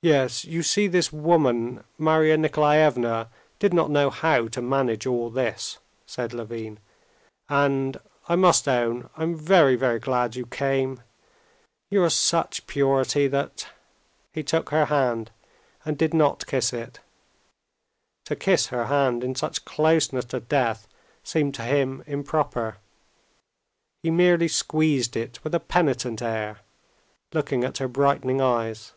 "Yes, you see this woman, Marya Nikolaevna, did not know how to manage all this," said Levin. "And ... I must own I'm very, very glad you came. You are such purity that...." He took her hand and did not kiss it (to kiss her hand in such closeness to death seemed to him improper); he merely squeezed it with a penitent air, looking at her brightening eyes.